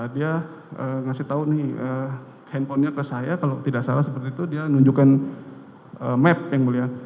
dia ngasih tahu nih handphonenya ke saya kalau tidak salah seperti itu dia nunjukkan map yang mulia